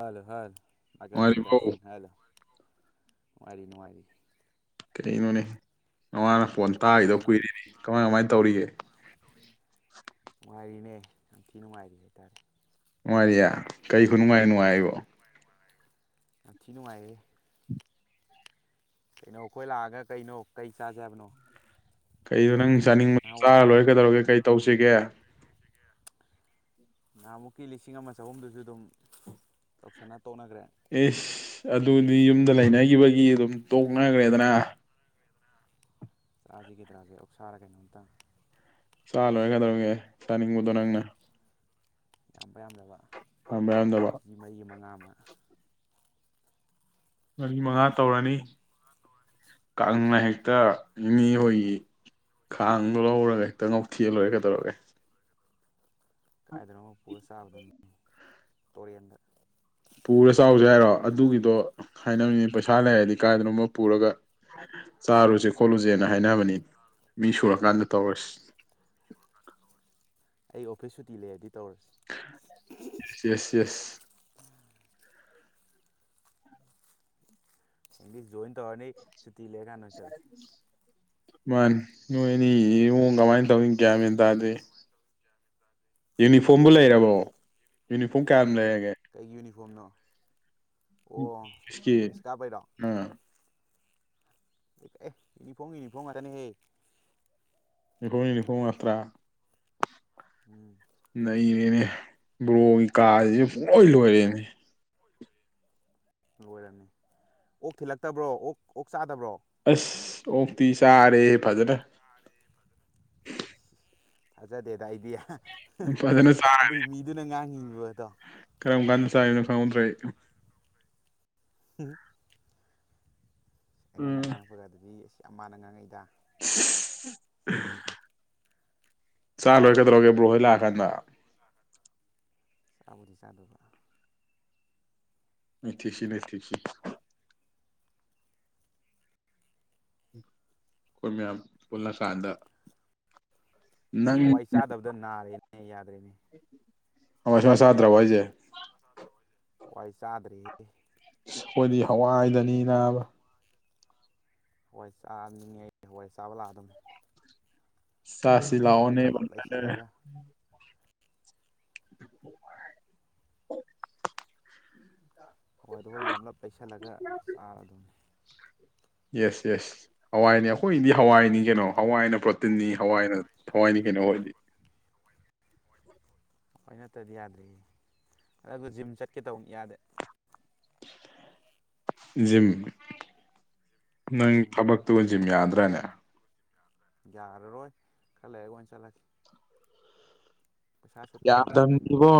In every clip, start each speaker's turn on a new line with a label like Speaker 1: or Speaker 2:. Speaker 1: ꯍꯂ ꯍꯜ ꯃꯥꯒꯦ ꯄ
Speaker 2: ꯅꯨꯡꯉꯥꯏꯔꯤꯕꯣ
Speaker 1: ꯇꯁꯇ ꯈ ꯅꯨꯡꯉꯥꯏꯔꯤ ꯅꯨꯡꯉꯥꯏꯔꯤ
Speaker 2: ꯀꯔꯤꯅꯣꯅꯦ ꯑꯅꯨꯡꯉꯅ ꯄꯣꯟ ꯇꯥꯈꯤꯗꯣ
Speaker 1: ꯀꯩꯅꯣ
Speaker 2: ꯀꯨꯏꯔꯅꯤ ꯀꯃꯥꯏ ꯀꯃꯥꯏꯅ ꯇꯧꯔꯤꯒꯦ
Speaker 1: ꯅꯨꯡꯉꯥꯏꯔꯤꯅꯦ ꯌꯥꯝ ꯊꯤ ꯅꯨꯡꯉꯥꯏꯔꯤ ꯍꯥꯏꯇꯥꯔꯦ
Speaker 2: ꯃꯔꯤꯌꯥ ꯀꯔꯤ ꯈꯨ ꯅꯨꯡꯉꯥꯏ ꯅꯨꯡꯉꯥꯏꯔꯤꯕꯣ
Speaker 1: ꯉꯊꯤ ꯅꯨꯡꯉꯥꯏꯔꯌꯦꯦ ꯀꯩꯅꯣ ꯑꯩꯈꯣꯏ ꯂꯥꯛꯑꯒ ꯀꯩꯅꯣ ꯀꯩ ꯆꯥꯖ ꯍꯥꯏꯕꯅꯣ
Speaker 2: ꯀꯩ ꯔꯪ ꯆꯥꯅꯤꯡꯕ ꯆꯥ
Speaker 1: ꯅꯍꯥꯟ
Speaker 2: ꯂꯣꯏꯔꯒꯗꯧꯔꯒꯦ ꯀꯩ ꯇꯧꯁꯤꯦ ꯆꯒꯦ
Speaker 1: ꯅꯍꯥꯟꯃꯨꯛꯀꯤ ꯂꯤꯁꯤꯡ ꯑꯃ ꯆꯍꯨꯝꯗꯨꯁꯨ ꯑꯗꯨꯝ ꯇꯧꯁꯟꯅ ꯇꯣꯛꯅꯈ꯭ꯔꯦ
Speaker 2: ꯏꯁ ꯑꯗꯨ ꯑꯗꯨꯗꯤ ꯌꯨꯝꯗ ꯂꯩꯅꯈꯤꯕꯒꯤ ꯑꯗꯨꯝ ꯇꯣꯛꯅꯈ꯭ꯔꯦꯗꯅ
Speaker 1: ꯆꯥꯁꯤꯀꯩꯗꯧꯔꯒꯦ ꯑꯣꯛꯁꯥꯔ ꯀꯩꯅꯣꯝꯇ
Speaker 2: ꯆꯥ ꯂꯣꯏꯔꯦꯀꯩꯗꯧꯔꯒꯦ ꯆꯥꯅꯤꯡꯕꯗꯣ ꯅꯪꯅ
Speaker 1: ꯌꯥꯝꯕ ꯌꯥꯝꯗꯕ
Speaker 2: ꯄꯥꯝꯕ ꯌꯥꯔꯝꯗꯕ
Speaker 1: ꯃꯤ ꯃꯔꯤ ꯃꯉꯥ ꯑꯃ
Speaker 2: ꯃꯔꯤ ꯃꯉꯥ ꯇꯧꯔꯅꯤ ꯀꯥꯪ ꯅ ꯍꯦꯛꯇ ꯅꯦꯅꯦ ꯍꯣꯏꯒꯤ ꯈꯥꯡꯗꯣ ꯂꯧꯔꯒ ꯍꯦꯛꯇ ꯉꯧꯊꯦꯛ ꯂꯣꯏꯔꯦꯀꯩꯗꯧꯔꯒꯦ
Speaker 1: ꯀꯥꯏꯗꯅ ꯑꯃꯨꯛ ꯄꯨꯔ ꯆꯥꯕꯗꯨꯅꯤ ꯇꯣꯔꯦꯟꯗ
Speaker 2: ꯄꯨꯔ ꯆꯥꯎꯁꯨ ꯍꯥꯏꯔꯣ ꯑꯗꯨꯒꯤꯗꯣ ꯍꯥꯏꯅꯕꯅꯤ ꯄꯩꯁꯥ ꯂꯩꯔꯗꯤ ꯀꯥꯏꯗꯅꯣꯃ ꯄꯨꯔꯒ ꯆꯥꯔꯨꯁꯦ ꯈꯣꯠꯂꯨꯁꯦꯅ ꯍꯥꯏꯅꯕꯅꯤ ꯃꯤ ꯁꯨꯔꯀꯥꯟꯗ ꯇꯧꯔꯁꯤ
Speaker 1: ꯑꯩ ꯑꯣꯐꯤꯁ ꯁꯨꯇꯤ ꯂꯩꯔꯗꯤ ꯇꯧꯔꯁꯦ
Speaker 2: yes yes yes
Speaker 1: English join ꯇꯧꯔꯅꯤ ꯁꯨꯇꯤ ꯂꯩꯔꯀꯥꯟꯗ ꯑꯣꯏꯅ ꯆꯠꯂꯁꯤ
Speaker 2: ꯃꯥꯅꯤ ꯅꯣꯏ ꯑꯅꯤ ꯏꯨꯡ ꯀꯃꯥꯏꯅ ꯇꯧꯅꯤ ꯒ꯭ꯌꯥꯃꯦꯟ ꯇꯥꯗꯦ ꯌꯨꯅꯤꯐꯣꯔꯝꯕꯨ ꯂꯩꯔꯕꯣ ꯌꯨꯅꯤꯐꯣꯔꯝ ꯀꯌꯥꯝ ꯂꯩ
Speaker 1: ꯀꯩꯒꯤ ꯌꯨꯅꯤ ꯐꯣꯝꯅꯣ
Speaker 2: ꯀꯤ ꯑ
Speaker 1: ꯑꯦ ꯌꯨꯅꯤꯐꯣꯔꯝ ꯌꯨꯅꯤꯐꯣꯔꯝ ꯉꯥꯛꯇꯅꯤꯍꯦ
Speaker 2: ꯅꯤꯍꯣꯅꯤꯅꯤꯄꯣ ꯑꯠꯇ
Speaker 1: ꯎꯝ
Speaker 2: ꯅꯅꯦꯅꯦ ꯕ꯭ꯔꯣꯛꯒꯤ ꯀꯥꯁꯨ ꯄꯨꯡ ꯂꯣꯏ ꯂꯣꯏꯔꯦꯅꯦ
Speaker 1: ꯂꯣꯏꯔꯕꯝꯅꯤ ꯑꯣꯛ ꯊꯤꯜꯂꯛꯇꯕ꯭ꯔꯣ ꯑꯣꯛ ꯑꯣꯛ ꯆꯥꯗꯕ꯭ꯔꯣ
Speaker 2: ꯑꯁ ꯑꯣꯛꯇꯤ ꯁꯔꯦꯦ ꯐꯖꯔ
Speaker 1: ꯊꯥꯖꯗꯦꯗ ꯑꯩꯗꯤ
Speaker 2: ꯐꯖꯅ ꯆꯥꯔꯦ
Speaker 1: ꯑꯗꯨꯏ ꯃꯤꯗꯨꯅ ꯉꯥꯡꯉꯤꯉꯤꯕ ꯑꯗꯣ
Speaker 2: ꯀꯔꯝ ꯀꯥꯟꯗ ꯆꯥꯏꯅꯣ ꯐꯪꯍꯧꯗ꯭ꯔꯦ
Speaker 1: ꯎꯝ ꯑꯩꯉꯣꯟꯗ
Speaker 2: ꯎꯝ
Speaker 1: ꯉꯥꯡ [unintelligible] ꯗꯤ ꯑꯁ ꯃꯥꯟꯅ ꯉꯥꯡꯉꯛꯏꯗ
Speaker 2: [unintelligible] ꯆꯥꯔ ꯂꯣꯏꯔꯦ ꯀꯩꯗꯧꯔꯥꯒꯤ ꯕ꯭ꯔꯣꯍꯣꯏ ꯂꯥꯛꯑꯀꯥꯟꯗ
Speaker 1: ꯆꯥꯕꯨꯗꯤ ꯆꯥꯗꯧꯕ
Speaker 2: ꯅꯩꯊꯦꯛꯁꯤ ꯅꯩꯊꯦꯛꯁꯤ ꯑꯩꯈꯣꯏ ꯃꯌꯥꯝ ꯄꯨꯜꯂ ꯀꯥꯟꯗ
Speaker 1: ꯍꯋꯥꯏ ꯆꯥꯗꯕꯗ ꯅꯥꯔꯦꯅꯦ ꯌꯥꯗ꯭ꯔꯦꯅꯦ
Speaker 2: ꯍꯋꯥꯏ ꯁꯨꯡꯆꯥ ꯆꯥꯗꯔ꯭ꯕꯣ ꯍꯥꯢꯁꯦ
Speaker 1: [unintelligible] ꯆꯥꯗꯔ꯭ꯦꯍꯦ
Speaker 2: ꯈꯣꯏꯗꯤ ꯍꯋꯥꯏꯗꯅꯤꯅꯥꯕ
Speaker 1: ꯍꯋꯥꯏ ꯆꯥꯅꯤꯡꯉꯦ ꯍꯋꯥꯏ ꯆꯥꯕ ꯂꯥꯛꯑꯗꯝꯅꯤ
Speaker 2: ꯆꯥꯁꯤ ꯂꯥꯛꯑꯣꯅꯦ [unintelligible]
Speaker 1: ꯂꯩꯁꯜꯂꯒ ꯍꯋꯥꯏꯗꯣ ꯈꯔꯥ ꯌꯥꯝꯂꯞ ꯂꯩꯩꯁꯜꯂꯒ ꯆꯥꯔꯗꯝꯅꯤ
Speaker 2: ꯌꯦꯁ ꯌꯦꯁ ꯍꯋꯥꯏꯅꯤ ꯑꯩꯈꯣꯏꯗꯤ ꯍꯋꯥꯏꯅꯤ ꯀꯩꯅꯣ ꯍꯋꯥꯏꯅ ꯄ꯭ꯔꯣꯇꯤꯟꯅꯤ ꯍꯋꯥꯏꯅ ꯊꯋꯥꯏꯅꯤ ꯀꯩꯅꯣ [unintelligible]
Speaker 1: ꯍꯋꯥꯏ ꯅꯠꯇꯔꯥꯗꯤ ꯌꯥꯗꯔ꯭ꯦꯍꯦ ꯑꯗꯨ ꯖꯤꯝ ꯆꯠꯀꯦ ꯇꯧꯅꯤ ꯌꯥꯗꯦ
Speaker 2: ꯖꯤꯝ ꯅꯪ
Speaker 1: ꯎꯝ
Speaker 2: ꯊꯕꯛꯇꯨꯒ ꯖꯤꯝ ꯌꯥ [unintelligible]
Speaker 1: ꯌꯥꯔꯔꯣꯏ ꯈꯔ ꯂꯩꯔꯒꯥ ꯑꯣꯏꯅꯥ ꯆꯠꯂꯒꯦ ꯄꯩꯁꯥꯁꯨ ꯑꯝꯇ ꯇꯥꯟꯖꯟꯈꯤꯒꯦ ꯑꯝꯇ
Speaker 2: ꯌꯥꯗꯕꯅꯤꯕꯣ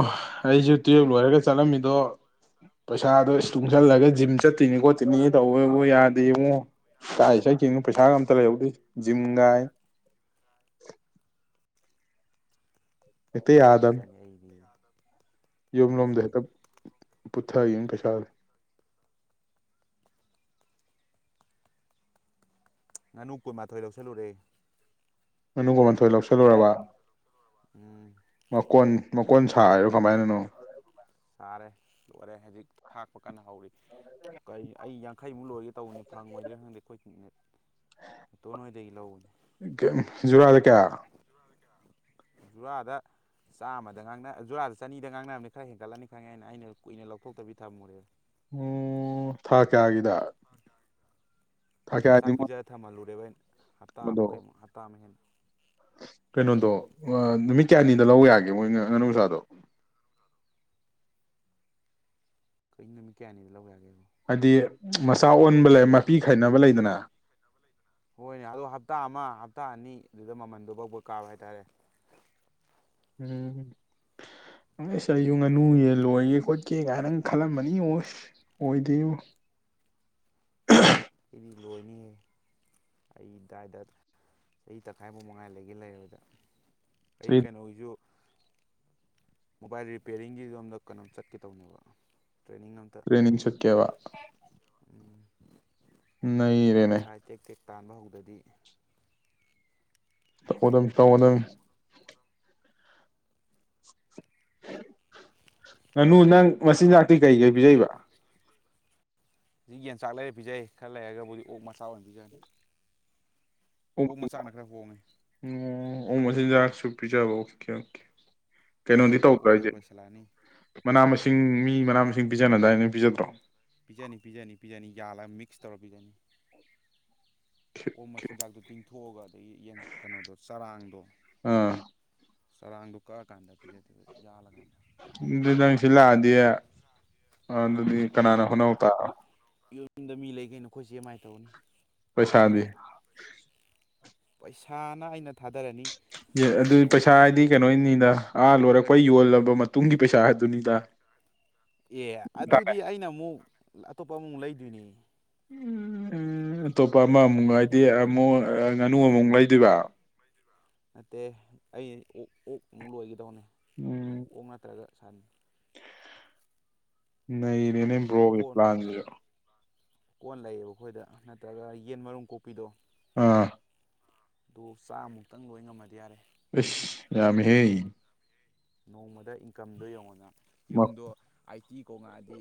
Speaker 2: ꯑꯩꯁꯨ ꯇꯨꯌꯦꯜꯞ ꯂꯣꯏꯔꯒ ꯆꯠꯂꯝꯃꯤꯗꯣ ꯄꯩꯁꯥꯗꯣ ꯇꯨꯡꯁꯤꯜꯂꯒ ꯖꯤꯝ ꯆꯠꯇꯣꯏꯅꯤ ꯈꯣꯠꯇꯤꯅꯤ ꯇꯧꯕꯕꯨ ꯌꯥꯗꯦ ꯌꯦꯡꯉꯣ ꯇꯥꯛꯏ ꯆꯠꯀꯅꯣ ꯄꯩꯁꯥꯒ ꯑꯝꯇ ꯂꯩꯍꯧꯗꯦ ꯖꯤꯝꯒꯥꯏ
Speaker 1: ꯆꯪꯅꯤ ꯆꯠꯅꯤ ꯑꯩꯗꯤ
Speaker 2: ꯌꯨꯝ
Speaker 1: ꯆꯅꯤ
Speaker 2: ꯂꯣꯝꯗ
Speaker 1: ꯆꯅꯤ
Speaker 2: [unintelligible] [unintelligible]
Speaker 1: ꯉꯥꯅꯨ ꯀꯨꯟꯃꯥꯊꯣꯏ ꯂꯧꯁꯜꯂꯨꯔꯦ
Speaker 2: ꯉꯥꯅꯨ ꯀꯨꯟ ꯃꯥꯊꯣꯏ ꯂꯧꯁꯤꯜꯂꯨꯔꯕ
Speaker 1: ꯎꯝ
Speaker 2: ꯃꯀꯣꯟ ꯃꯀꯣꯟ ꯁꯥꯔꯤꯔꯣ ꯀꯃꯥꯏꯅꯅꯣ
Speaker 1: ꯆꯥꯔꯦ ꯂꯣꯏꯔꯦ ꯍꯧꯖꯤꯛ ꯊꯥꯛꯄ ꯀꯥꯟꯅ ꯍꯧꯔꯤ ꯀꯔꯤ ꯑꯩ ꯌꯥꯡꯈꯩꯃꯨꯛ ꯂꯣꯏꯒꯦ ꯇꯧꯔꯤ ꯐꯪꯉꯣꯏꯗ꯭ꯔꯦ ꯈꯪꯗꯦ ꯑꯩꯈꯣꯏ [inaudible] ꯇꯣꯟ ꯍꯣꯏꯗꯒꯤ ꯂꯧꯕꯅꯤ
Speaker 2: ꯖꯨꯔꯥꯗ ꯀꯌꯥ
Speaker 1: ꯖꯨꯔꯥꯗ ꯆꯥꯝꯃꯗ ꯉꯥꯡꯅ ꯖꯨꯔꯥꯗ ꯆꯅꯤꯗ ꯉꯥꯡꯅꯝꯅꯤ ꯈꯔ ꯍꯦꯟꯒꯠꯂꯅꯤ ꯈꯪꯉꯦꯅ ꯑꯩꯅ ꯀꯨꯏꯅ ꯂꯧꯊꯣꯛꯇꯕꯤ ꯊꯝꯃꯨꯔꯦ
Speaker 2: ꯎꯝ ꯊꯥ ꯀꯥꯌꯒꯤꯗ
Speaker 1: ꯃꯆꯥꯥꯛ
Speaker 2: ꯃꯣꯏ
Speaker 1: ꯄꯤꯖꯔ ꯊꯝꯍꯜꯂꯨꯔꯦꯕ ꯑꯩꯅ
Speaker 2: ꯀꯩꯅꯣꯗꯣ
Speaker 1: ꯍꯞꯇꯃꯨꯩꯛ ꯀꯩꯃꯨꯛ ꯍꯞꯇꯥ ꯃꯨꯛ ꯍꯦꯟꯅ
Speaker 2: ꯀꯩꯅꯣꯗꯣ ꯑ ꯅꯨꯃꯤꯠ ꯀꯌꯥꯅꯤꯗ ꯂꯧ ꯌꯒꯦ ꯃꯣꯏ ꯉꯥꯅꯨ ꯃꯆꯥꯗꯣ
Speaker 1: ꯀꯩꯅꯣ ꯅꯨꯃꯤꯠ ꯀꯌꯥꯅꯤꯗꯤ ꯂꯧ ꯌꯥꯒꯦꯕꯨ
Speaker 2: ꯍꯥꯏꯗꯤ ꯃꯆꯥ ꯑꯣꯟꯕ ꯂꯩ ꯃꯄꯤ ꯈꯥꯏꯅꯕ ꯂꯩꯗꯅ
Speaker 1: ꯍꯣꯏꯅꯦ ꯑꯣꯗꯣ ꯍꯞꯇꯥ ꯑꯃ ꯍꯞꯇꯥ ꯑꯅꯤꯗꯨꯗ ꯃꯃꯟꯗꯨ ꯕꯛ ꯕꯛ ꯀꯥꯕ ꯍꯥꯏꯇꯥꯔꯦ
Speaker 2: ꯎꯝ [unintelligible] ꯑꯩꯁꯨ ꯉꯥꯅꯨ ꯌꯦꯟ ꯂꯣꯏꯒꯦ ꯈꯣꯠꯀꯦ ꯀꯥꯏꯅꯪ ꯈꯜꯂꯝꯕꯅꯤ ꯑꯣꯁ ꯑꯣꯏꯗ꯭ꯔꯦ
Speaker 1: ꯂꯣꯏꯅꯤ ꯑꯩꯗꯥꯏꯗ ꯆꯍꯤ ꯇꯪꯈꯥꯏꯃꯨꯛꯃ ꯉꯥꯏꯗ ꯂꯩꯒꯦ ꯂꯩꯔꯗ ꯑꯩ ꯀꯩꯅꯣꯒꯤꯁꯨ ꯃꯣꯕꯥꯏꯜ ꯔꯤꯄ꯭ꯌꯔꯤꯡꯒꯤ ꯂꯣꯝꯗ ꯀꯩꯅꯣꯝ ꯆꯠꯀꯦ ꯇꯧꯅꯦꯕ ꯇ꯭ꯔꯦꯅꯤꯡ ꯑꯝꯇ
Speaker 2: ꯇꯦꯅꯤꯡ ꯆꯠꯀꯦꯕ ꯅꯩꯔꯦꯅꯦ
Speaker 1: ꯍꯥꯏ ꯇꯦꯛ ꯇꯦꯛ ꯇꯥꯟꯕ ꯍꯧ ꯑꯗꯨꯗꯤ
Speaker 2: ꯇꯧꯒꯗꯕꯅꯤ ꯇꯧꯒꯗꯕꯅꯤ꯫ ꯉꯥꯅꯨ ꯅꯪ ꯃꯆꯤꯟꯖꯥꯛꯇꯤ ꯀꯩ ꯀꯩ ꯄꯤꯖꯩꯕ
Speaker 1: ꯌꯦꯟꯆꯥꯛ ꯂꯩꯔ ꯄꯤꯖꯩ ꯈꯔ ꯂꯩꯔꯒꯕꯨꯗꯤ ꯑꯣꯛ ꯃꯆꯥ ꯑꯣꯏꯅ ꯄꯤꯖꯅꯤ ꯑꯣꯛ ꯃꯆꯥꯛꯅ ꯈꯔ ꯍꯣꯡꯉꯦ
Speaker 2: ꯑꯣ ꯑꯣ ꯑꯣꯛ ꯃꯆꯤꯟꯖꯥꯛꯁꯨ ꯄꯤꯖꯕ ꯑꯣꯀꯦ ꯑꯣꯀꯦ ꯀꯩꯅꯣꯗꯤ ꯇꯧꯗ꯭ꯔ
Speaker 1: ꯑꯣꯛꯁꯨ
Speaker 2: ꯍꯥꯏꯁꯦ
Speaker 1: ꯂꯣꯏꯁꯤꯜꯂꯛꯑꯅꯤ
Speaker 2: ꯃꯅꯥ ꯃꯁꯤꯡ ꯃꯁꯤꯡ ꯃꯤ ꯃꯅꯥ ꯃꯁꯤꯡ ꯄꯤꯖꯅꯗꯥꯏꯅꯦ ꯅꯪ ꯄꯤꯖꯗ꯭ꯔꯣ
Speaker 1: ꯄꯤꯖꯅꯤ ꯄꯤꯖꯥꯅꯤ ꯄꯤꯖꯅꯤ ꯌꯥꯜꯂ ꯃꯤꯛꯁ ꯇꯧꯔ ꯄꯤꯖꯅꯤ ꯑꯣꯛ ꯃꯆꯤꯟꯖꯥꯛꯇꯣ ꯇꯤꯡꯊꯣꯛꯑꯒ ꯑꯗꯒꯤ ꯌꯦꯟ ꯀꯩꯅꯣꯗꯣ ꯆꯔꯥꯡꯗꯣ
Speaker 2: ꯑꯥ
Speaker 1: ꯆꯔꯥꯡꯗꯣ ꯀꯛꯑꯀꯥꯟꯗ ꯄꯤꯖꯗꯦꯕ ꯌꯥꯜꯂꯀꯥꯟꯗ
Speaker 2: ꯑꯗꯨꯗꯤ ꯅꯪ ꯁꯤ ꯂꯥꯛꯑꯗꯤ ꯑ ꯑꯗꯨꯗꯤ ꯀꯅꯥꯅꯣ [unintelligible]
Speaker 1: ꯌꯨꯝꯗ ꯃꯤ ꯂꯩ ꯀꯩꯅꯣ ꯑꯩꯈꯣꯏ ꯆꯦ ꯃꯥꯏ ꯇꯧꯖꯅꯤ
Speaker 2: ꯄꯩꯁꯥꯗꯤ
Speaker 1: ꯄꯩꯁꯥꯅ ꯑꯩꯅ ꯊꯥꯗꯔꯅꯤ
Speaker 2: ꯑꯗꯨ ꯄꯩꯁꯥ ꯍꯥꯏꯗꯤ ꯀꯩꯅꯣꯅꯤꯗ ꯑꯥ ꯂꯣꯏꯔꯛꯄ ꯌꯣꯜꯂꯕ ꯃꯇꯨꯡꯒꯤ ꯄꯩꯁꯥ ꯍꯥꯏꯗꯨꯅꯤꯗ
Speaker 1: ꯑꯦ ꯑꯗꯨꯗꯤ ꯑꯩꯅ ꯑꯃꯨꯛ ꯑꯇꯣꯞꯄ ꯑꯃꯃꯨꯛ ꯂꯩꯗꯣꯏꯅꯦ
Speaker 2: ꯎꯝ ꯄꯥ ꯑꯃꯃꯨ ꯍꯥꯏꯥꯏꯗꯤ
Speaker 1: ꯌꯨꯝ
Speaker 2: ꯑꯃꯨꯛ ꯉꯥꯅꯨ ꯑꯃꯃꯨꯛ ꯂꯩꯗꯣꯏꯕ
Speaker 1: ꯅꯠꯇꯦ ꯑꯩ ꯑꯣ ꯑꯣꯛ ꯅꯨꯡꯛ ꯂꯣꯏꯒꯗꯕꯅꯦ ꯑꯣꯛ ꯇꯔꯚ ꯁꯟ
Speaker 2: ꯅꯩ ꯕꯔꯣ ꯒꯤ
Speaker 1: ꯑꯣꯀꯣꯟ
Speaker 2: ꯄꯥꯂꯞꯁꯤꯁꯨ
Speaker 1: ꯀꯣꯟ ꯂꯩꯌꯦꯕ ꯑꯩꯈꯣꯏꯗ ꯅꯠꯇ꯭ꯔꯒ ꯌꯦꯟ ꯃꯔꯨꯝ ꯀꯣꯛꯄꯤꯗꯣ
Speaker 2: ꯑꯥ
Speaker 1: ꯑꯣ ꯆꯥꯃꯨꯛꯇꯪ ꯂꯣꯏ ꯉꯝꯃꯗꯤ ꯌꯥꯔꯦ
Speaker 2: ꯑꯦꯁ ꯌꯥꯝꯃꯤꯍꯦ
Speaker 1: ꯅꯣꯡꯃꯗ ꯏꯟꯀꯝꯗꯣ ꯌꯧꯉꯅ ꯌꯨꯝꯗ ꯑꯩꯥꯏꯇꯤ ꯀꯣ ꯉꯥꯗꯤ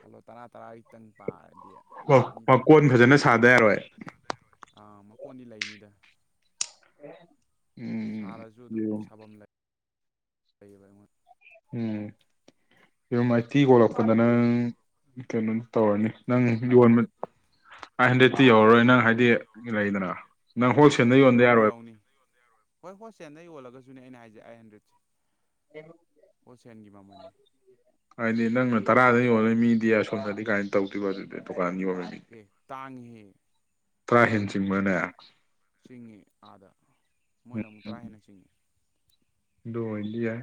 Speaker 1: ꯈꯜꯂꯣ ꯇꯔꯥ ꯇꯔꯥꯒꯤꯇꯪ ꯄꯥꯔꯅꯤ
Speaker 2: ꯑꯣ ꯃꯀꯣꯟ ꯐꯖꯅ ꯁꯥꯗ ꯌꯥꯔꯣꯏ
Speaker 1: ꯑꯥ ꯃꯀꯣꯟꯗꯤ ꯂꯩꯅꯤꯗ
Speaker 2: ꯎ
Speaker 1: ꯁꯥꯔꯁꯨ ꯑꯗꯨꯝ ꯁꯥꯐꯝ ꯂꯩ ꯀ
Speaker 2: ꯎꯝ ꯑꯗꯨꯝ ꯑꯩꯥꯏꯇꯤ ꯀꯣꯂꯛꯄꯗ ꯅꯪꯪ ꯀꯩꯅꯣ ꯇꯧꯔꯅꯤ ꯅꯪ
Speaker 1: ꯑꯩꯠ
Speaker 2: ꯌꯣꯟꯕ
Speaker 1: ꯍꯟꯗ꯭ꯔꯦꯠ
Speaker 2: ꯑꯥꯏꯚ ꯍꯟꯗ꯭ꯔꯦꯗꯇꯤ ꯌꯧꯔꯣꯏ ꯅꯪ ꯍꯥꯏꯗꯤ ꯂꯩꯗꯅ ꯅꯪ ꯍꯣꯜꯁꯦꯜꯗ ꯌꯣꯟꯕ
Speaker 1: ꯌꯧꯅꯤ
Speaker 2: ꯌꯥꯔꯣꯏꯕ
Speaker 1: ꯌꯧꯅꯤ ꯍꯣꯏ ꯍꯣꯜꯁꯦꯜꯗ ꯌꯣꯜꯂꯒꯁꯨꯅꯦ ꯑꯩꯅ ꯍꯥꯏꯁꯦ ꯑꯩꯥꯏ ꯍꯟꯗ꯭ꯔꯦꯠꯁꯦ
Speaker 2: ꯌꯦ
Speaker 1: ꯑꯣꯁꯦꯟꯒꯤ ꯃꯃꯅꯦ
Speaker 2: ꯍꯥꯏꯗꯤ ꯅꯪꯅ ꯇꯔꯥꯗ ꯌꯣꯂꯅꯤ ꯃꯤꯗꯤ ꯑꯁꯣꯝꯅꯗꯤ ꯀꯥꯏꯅ ꯇꯧꯗꯕ ꯑꯗꯨꯗꯤ ꯗꯨꯀꯥꯟ
Speaker 1: ꯑꯦ ꯇꯥꯉ ꯍꯦ ꯎ
Speaker 2: ꯇ꯭ꯔꯥ ꯍꯦꯟꯁꯤꯡꯕꯅꯦ
Speaker 1: ꯆꯉꯤ ꯑꯥꯗ ꯃꯣꯏꯅ ꯑꯃꯨꯛ ꯇꯔꯥ ꯍꯦꯟꯅ ꯆꯤꯡꯉꯦ
Speaker 2: ꯗꯣ ꯏꯗꯤ ꯌꯥ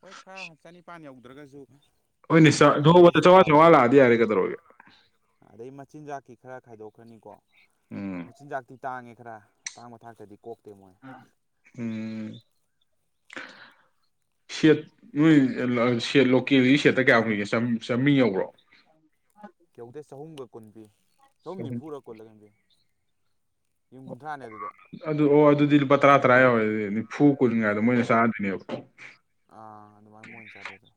Speaker 1: ꯍꯣꯏ ꯈ ꯍꯥꯆꯅꯤ ꯄꯥꯅꯤ ꯑꯗ ꯇ꯭ꯔꯒꯁꯨ
Speaker 2: ꯍꯣꯏꯅꯦ ꯊꯧꯕꯗ ꯆꯥꯋꯥꯥ ꯆꯥꯋꯥꯥ
Speaker 1: ꯋꯥꯅꯤ
Speaker 2: ꯂꯥꯛꯑꯗꯤ ꯌꯥꯔꯦ ꯀꯗꯧꯔꯒꯦ
Speaker 1: ꯀꯤ ꯈꯔ ꯈꯥꯏꯗꯣꯛꯈ꯭ꯔꯅꯤꯀꯣ ꯃꯁꯤꯆ ꯖꯒ ꯇꯥꯡꯉꯦ ꯈꯔ ꯑꯇꯥꯡꯕ ꯊꯥꯛꯇꯗꯤ ꯀꯣꯛ
Speaker 2: ꯎꯝ ꯁꯦꯠ ꯅꯣꯏ ꯂꯣꯀꯦꯜꯒꯤ ꯁꯦꯠꯇ ꯀꯌꯥ ꯀꯨꯏꯒꯦ ꯆꯥꯝꯃꯤꯡ ꯌꯧꯕ꯭ꯔꯣ
Speaker 1: ꯀꯨꯟꯕꯤ ꯁꯣꯝꯗꯤ
Speaker 2: ꯆꯍꯨꯝ
Speaker 1: ꯐꯔ ꯀꯣꯜꯂꯒꯟꯗ [inaudible]
Speaker 2: ꯑꯗꯨ ꯑꯣ ꯑꯗꯨꯗꯤ ꯄꯥ ꯇꯔꯥ ꯇꯔꯥ ꯑꯣꯏꯅꯤ ꯐꯨ ꯀꯨꯟꯉꯥꯏꯗ ꯃꯣꯏꯅ ꯆꯥꯗꯣꯏꯅꯦꯕ
Speaker 1: ꯑꯥ ꯑꯗꯨꯃꯥꯏꯅ ꯃꯣꯏ ꯑꯣꯏꯅ ꯆꯥꯗꯗ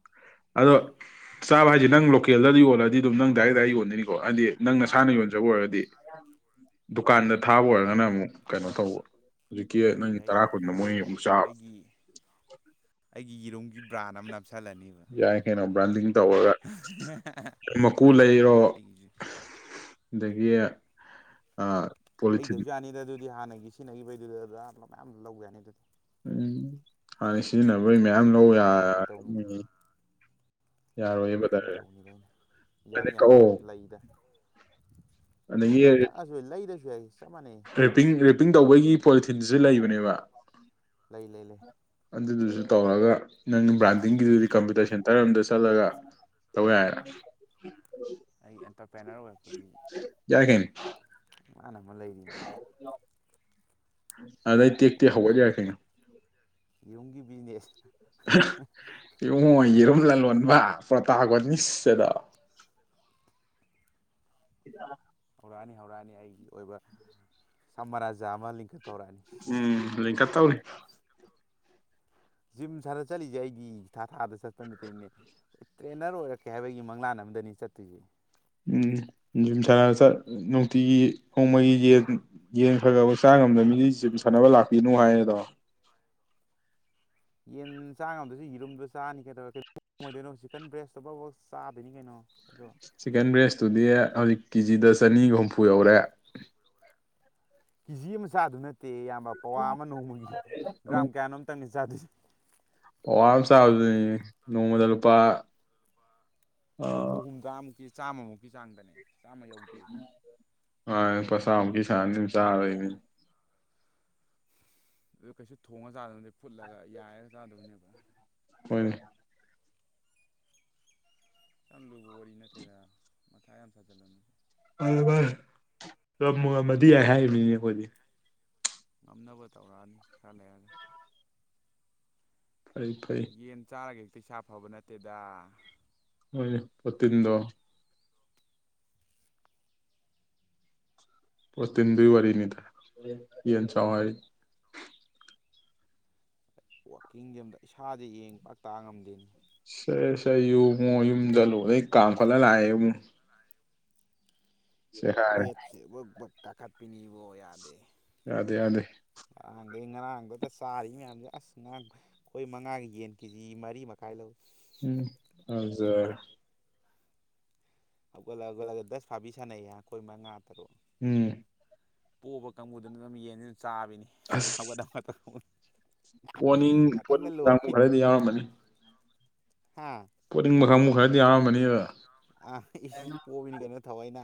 Speaker 2: ꯆ ꯍꯥꯏ ꯅꯪ ꯂ ꯇꯀꯦꯜꯗꯗꯤ ꯌꯣꯜꯂꯗꯤ ꯑꯗꯨꯝ ꯅꯪ ꯗꯥꯏ ꯗꯥꯏ ꯌꯣꯟꯗꯅꯤꯀꯣ ꯍꯥꯏꯗꯤ ꯅꯪ ꯅꯁꯥꯅ
Speaker 1: ꯎꯝ
Speaker 2: ꯌꯣꯟꯖꯕ ꯑꯣꯏꯔꯒꯗꯤ ꯗꯨꯀꯥꯟꯗ
Speaker 1: ꯑꯥ
Speaker 2: ꯊꯥꯕ ꯑꯣꯏꯔꯒꯅ ꯑꯃꯨꯛ ꯀꯩꯅꯣ ꯇꯧꯧꯕ ꯍꯧꯖꯤꯛꯀꯤ ꯅꯪꯒꯤ ꯇꯔꯥ
Speaker 1: ꯑꯩꯅ
Speaker 2: ꯀꯨꯟ ꯃꯣꯏ ꯑꯃꯨꯛ ꯆꯥꯕ
Speaker 1: ꯑꯩꯒꯤ ꯑꯩꯒꯤ ꯌꯦꯔꯣꯝꯒꯤ ꯕ꯭ꯔꯥꯟ ꯑꯃ ꯅꯞꯁꯤꯜꯂꯅꯤꯕ
Speaker 2: ꯥꯟ ꯇꯧꯔꯒ ꯃꯀꯨ ꯂꯩꯔꯣ
Speaker 1: ꯑꯩꯒꯤꯁꯨ
Speaker 2: ꯑꯗꯒꯤ ꯑ ꯄꯣꯂꯤ ꯆꯗꯤ
Speaker 1: ꯂꯩꯗꯕꯁꯨ ꯌꯥꯅꯤꯗ ꯑꯗꯨꯗꯤ ꯍꯥꯟꯅꯒꯤ ꯁꯤꯖꯤꯟꯅꯈꯤꯕꯩꯗꯨꯗ ꯑꯗꯨꯞ ꯃꯌꯥꯝ ꯂꯧ ꯌꯥꯅꯤ ꯑꯗꯨꯗꯤ
Speaker 2: ꯎꯝ ꯍꯥꯟꯅ ꯁꯤꯖꯤꯟꯅꯕꯣꯏ ꯃꯌꯥꯝ ꯌꯥꯝ ꯅꯧ ꯌꯥ
Speaker 1: ꯁꯨꯝ ꯀ ꯇꯧꯕꯅꯤꯗ ꯑꯩꯅ ꯌꯥꯅꯤ
Speaker 2: ꯑꯗꯩ
Speaker 1: ꯌꯥꯅꯤ
Speaker 2: ꯀꯛꯑꯣ
Speaker 1: ꯂꯩꯗ
Speaker 2: ꯑꯗꯒꯤ
Speaker 1: ꯀꯛꯑꯁꯨ ꯂꯩꯗꯁꯨ [inaudible]
Speaker 2: ꯔꯦꯄꯤꯡ ꯔꯦꯞꯄꯤꯡ ꯇꯧꯕꯒꯤ ꯄꯣꯂꯤꯊꯤꯟꯁꯤꯦ ꯂꯩꯕꯅꯦ ꯋꯥ
Speaker 1: ꯂꯩ ꯂꯩ ꯂꯩ
Speaker 2: ꯑꯗꯨꯗꯨꯁꯨ ꯇꯧꯔꯒ ꯅꯪ ꯕ꯭ꯔꯥꯟꯗꯤꯡꯒꯤꯗꯨꯗꯤ ꯀꯝꯄ꯭ꯌꯨꯇꯔ ꯁꯦꯟꯇꯔ ꯑꯝꯗ ꯆꯠꯂꯒ ꯇꯧ ꯌꯥꯏꯅ
Speaker 1: ꯑꯩ ꯑꯦꯟꯇꯔꯄ꯭ꯔꯦꯅꯔ ꯑꯣꯏꯔꯛꯄꯒꯤ
Speaker 2: ꯌꯥꯏ ꯀꯩꯅꯣ
Speaker 1: ꯏꯥꯟ ꯑꯃ ꯂꯩꯔꯤꯅꯦꯕ
Speaker 2: ꯑ ꯑꯗꯩ ꯇꯦꯛ ꯇꯦꯛ ꯍꯧꯒꯠ ꯌꯥꯏ ꯀꯩꯅꯣ꯫
Speaker 1: ꯌꯨꯝꯒꯤ ꯕꯤꯖꯤꯅꯦꯁ
Speaker 2: ꯑꯍ ꯏꯕꯨꯉꯣ ꯌꯦꯔꯨꯝ ꯂꯂꯣꯟ ꯑꯣꯟꯕ ꯄ꯭ꯔꯣꯇꯥꯒꯣꯅꯤꯁꯠ ꯑꯗꯣ [unintelligible]
Speaker 1: ꯍꯧꯔꯛꯑꯅꯤ ꯍꯧꯔꯛꯑꯅꯤ ꯑꯩꯒꯤ ꯑꯣꯏꯕ ꯁꯝꯃꯥꯔꯥꯖꯥ ꯑꯃ ꯂꯤꯡꯈꯠ
Speaker 2: ꯎꯝ ꯂꯤꯡꯈꯠ ꯇꯧꯔꯤ꯫
Speaker 1: ꯖꯤꯝ ꯁꯥꯟꯅ ꯆꯠꯂꯤꯁꯦ ꯑꯩꯗꯤ ꯊꯥ ꯊꯥꯗ ꯆꯠꯄ ꯅꯠꯇꯦꯅꯦ ꯇ꯭ꯔꯦꯅꯔ ꯑꯣꯏꯔꯛꯀꯦ ꯍꯥꯏꯕꯒꯤ ꯃꯪꯂꯥꯟ ꯑꯃꯗꯅꯤ ꯆꯠꯇꯣꯏꯁꯤ꯫
Speaker 2: ꯎꯝ ꯖꯤꯝ ꯁꯥꯟꯅ ꯆꯠ ꯅꯨꯡꯇꯤꯒꯤ ꯅꯣꯡꯃꯒꯤ ꯌꯦꯟ ꯌꯦꯟ ꯈꯔ ꯈꯔ ꯆꯥ ꯉꯝꯗꯕ ꯃꯤꯗꯤ ꯖꯤꯝ ꯁꯥꯟꯅꯕ ꯂꯥꯛꯄꯤꯅꯨ ꯍꯥꯏꯌꯦꯗꯣ꯫
Speaker 1: ꯌꯦꯟ ꯆꯥ ꯉꯝꯗꯔꯁꯨ ꯌꯦꯔꯨꯝꯗꯣ ꯆꯥꯅꯤ ꯀꯩꯗꯧꯔꯒꯦ ꯕꯣꯏꯂꯦꯔꯣ ꯆꯤꯀꯟ ꯕ꯭ꯔꯦꯁꯇꯣ ꯐꯥꯎ ꯕꯥꯎ ꯆꯥꯗꯣꯏꯅꯤ ꯀꯩꯅꯣ꯫ ꯑꯗꯣ
Speaker 2: ꯆꯤꯀꯟ ꯕ꯭ꯔꯦꯁ ꯇꯨꯗꯤ ꯍꯧꯖꯤꯛ ꯀꯦꯖꯤꯗ ꯆꯅꯤꯒ ꯍꯨꯝꯐꯨ ꯌꯧꯔꯦ꯫
Speaker 1: ꯀꯦꯖꯤ ꯑꯃ ꯆꯥꯗꯨ ꯅꯠꯇꯦ꯫ ꯇꯦ ꯏꯌꯥꯝꯕ ꯄꯋꯥ ꯑꯃ ꯅꯣꯡꯃꯒꯤ ꯒ꯭ꯔꯥꯝ ꯀꯌꯥꯅꯣꯝ ꯇꯡꯅꯤ ꯆꯥꯗꯣꯁꯦ
Speaker 2: ꯄꯋꯥ ꯑꯃ ꯆꯥꯕꯗꯨꯅꯤꯅꯦ ꯅꯣꯡꯃꯗ ꯂꯨꯄꯥ
Speaker 1: ꯍꯨꯝꯐꯨ ꯍꯨꯝꯗ꯭ꯔꯥ ꯃꯨꯛꯀꯤ ꯆꯥꯝꯃꯃꯨꯛꯀꯤ ꯆꯥꯡꯗꯅꯦ꯫ ꯆꯥꯝꯃ ꯌꯧꯗꯦ
Speaker 2: ꯍꯣꯏ ꯂꯨꯄꯥ ꯆꯥꯝꯃꯨꯛꯀꯤ ꯆꯥꯡꯁꯤ ꯑꯗꯨꯝ ꯆꯥꯔꯒꯦꯖꯤꯅꯤ꯫
Speaker 1: ꯑꯗꯨ ꯀꯩꯁꯨ ꯊꯣꯡꯉ ꯆꯥꯗꯧꯕ ꯅꯠꯇꯦ ꯐꯨꯠꯂꯒ ꯌꯥꯏꯔꯒ ꯆꯥꯗꯣꯏꯅꯦꯕ꯫
Speaker 2: ꯍꯣꯏꯅꯦ꯫
Speaker 1: ꯌꯥꯝ ꯂꯨꯕ ꯋꯥꯔꯤ ꯅꯠꯇꯦꯗ ꯃꯊꯥ ꯌꯥꯝ ꯁꯥꯖꯤꯜꯂꯅꯨ꯫
Speaker 2: [unintelligible] ꯉꯝꯕꯨ ꯉꯝꯃꯗꯤ ꯌꯥꯏ ꯍꯥꯏꯔꯤꯃꯤꯅꯦ ꯑꯈꯣꯏꯗꯤ꯫
Speaker 1: ꯉꯝꯅꯕ ꯇꯧꯔꯛꯑꯅꯤ ꯈꯔ ꯂꯩꯔꯒ꯫
Speaker 2: ꯐꯩ ꯐꯩ
Speaker 1: ꯌꯦꯟ ꯆꯥꯔꯒꯦ꯫ ꯏꯁꯥ ꯐꯕ ꯅꯠꯇꯦꯗꯥ꯫
Speaker 2: ꯍꯣꯏꯅꯦ ꯄꯣꯇꯤꯟꯗꯣ ꯄ꯭ꯔꯣꯇꯤꯗꯨꯏ ꯋꯥꯔꯤꯅꯤꯗ ꯌꯦꯟ ꯆꯥꯎ ꯍꯥꯏꯔꯤ꯫
Speaker 1: ꯋꯥꯛꯀꯤꯡ ꯆꯦꯟꯕꯗ ꯏꯁꯥꯥꯁꯦ ꯏꯌꯦꯡ ꯄꯥꯛ ꯇꯥ ꯉꯝꯗꯦꯅꯦ꯫
Speaker 2: [unintelligible] ꯌꯨꯉꯨ ꯌꯨꯝꯗ ꯂꯣꯏꯅ ꯀꯥꯝꯈꯠꯂ ꯂꯥꯛꯑꯦ ꯑꯃꯨꯨꯛ꯫
Speaker 1: ꯋꯦꯠꯁꯦ ꯕꯛ ꯕꯛ ꯇꯥꯈꯠꯄꯤꯅꯤ ꯏꯕꯣ ꯌꯥꯗꯦ꯫
Speaker 2: ꯌꯥꯗꯦ ꯌꯥꯗꯦ
Speaker 1: ꯑꯥꯗꯩ ꯉꯔꯥꯡꯗꯨꯗ ꯆꯥꯔꯤꯕ ꯃꯌꯥꯝꯁꯦ ꯑꯁ ꯉꯔꯥꯡ ꯑꯩꯈꯣꯏ ꯃꯉꯥꯒꯤ ꯌꯦꯟ ꯀꯦꯖꯤ ꯃꯔꯤ ꯃꯈꯥꯏ ꯂꯧꯏ꯫
Speaker 2: ꯎꯝ ꯐꯖꯔꯦ
Speaker 1: ꯍꯧꯒꯠꯂꯍꯧꯒꯠꯂꯒ ꯗꯁ ꯐꯥꯕꯤ ꯁꯥꯟꯅꯩꯌꯦ ꯑꯩꯈꯣꯏ ꯃꯉꯥ ꯇꯔꯨꯛ꯫
Speaker 2: ꯎꯝ
Speaker 1: ꯄꯣꯕ ꯀꯥꯡꯕꯨꯗꯨꯅ ꯑꯗꯨꯝ ꯌꯦꯟꯅꯤ ꯆꯥꯕꯤꯅꯤ
Speaker 2: ꯑꯁ
Speaker 1: ꯍꯧꯒꯠꯒꯠꯇ
Speaker 2: ꯄꯣꯅꯤꯡ
Speaker 1: ꯉꯥꯛꯇꯪꯗ
Speaker 2: ꯄꯣꯅꯤꯡꯕ ꯀꯥꯡꯕꯨ
Speaker 1: ꯂꯣꯏꯔꯤꯅꯤ
Speaker 2: ꯈꯔꯗꯤ ꯌꯥꯎꯔꯝꯃꯅꯤ
Speaker 1: ꯍꯥ
Speaker 2: ꯄꯣꯅꯤꯡꯕ ꯀꯥꯡꯒꯨ ꯈꯔꯗꯤ ꯌꯥꯎꯔꯝꯂꯅꯤ [unintelligible]
Speaker 1: ꯑ ꯏꯁ ꯑꯣꯕꯤꯅꯤ ꯀꯩꯅꯣ ꯊꯑꯣꯏꯅ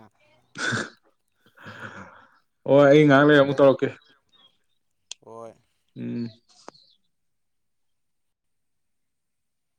Speaker 2: [unintelligible] ꯍꯣꯏ ꯑꯩ ꯉꯥꯏꯍꯥꯛ ꯂꯩꯔ ꯑꯃꯨꯛ
Speaker 1: ꯗꯁ
Speaker 2: ꯇꯧꯔꯛꯀꯦ
Speaker 1: ꯍꯣꯏ
Speaker 2: ꯎꯝ